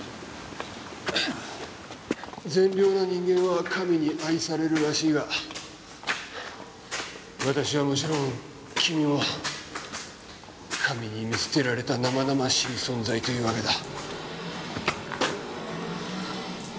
善良な人間は神に愛されるらしいが私はもちろん君も神に見捨てられた生々しい存在というわけだ。